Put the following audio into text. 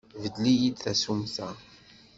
Beddel-iyi-d tasumta.